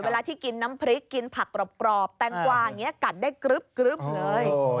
เวลาที่กินน้ำพริกกินผักกรอบแตงกวาอย่างนี้กัดได้กรึ๊บเลย